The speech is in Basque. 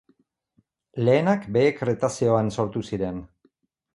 Lehenak Behe Kretazeoan sortu ziren.